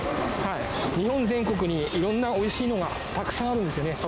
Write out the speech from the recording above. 日本全国にいろんなおいしいのがたくさんあるんですよね。